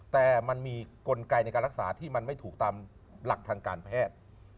แต่มันมีกลไกในการรักษาที่มันไม่ถูกตามหลักทางการแพทย์